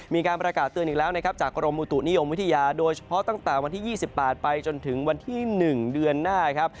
มีการประกาศเตือนอีกแล้วนะครับจากกรมอุตุนิยมวิทยาโดยเฉพาะตั้งแต่วันที่๒๘ไปจนถึงวันที่๑เดือนหน้าครับ